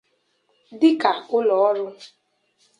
dịka ụlọọrụ